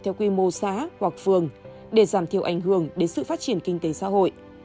theo quy mô xã hoặc phường để giảm thiểu ảnh hưởng đến sự phát triển kinh tế xã hội